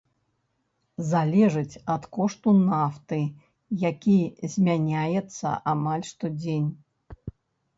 Залежыць ад кошту нафты, які змяняецца амаль штодзень.